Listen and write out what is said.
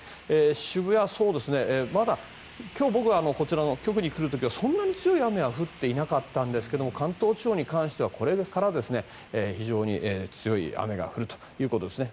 渋谷、まだ今日、僕はこちらの局に来る前はそんなに強い雨は降っていなかったんですが関東地方に関してはこれから非常に強い雨が降るということですね。